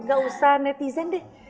gak usah netizen deh